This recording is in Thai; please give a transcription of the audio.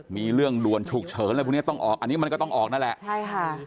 มีเรื่องด่วนฉุกเฉินอะไรพวกนี้ต้องออกอันนี้มันก็ต้องออกนั่นแหละใช่ค่ะ